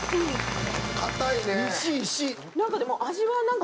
硬いね。